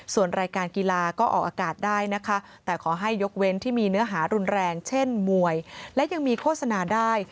ส่วนรายการกีฬาก็ออกอากาศได้นะคะแต่ขอให้ยกเว้นที่มีเนื้อหารุนแรงเช่นมวยและยังมีโฆษณาได้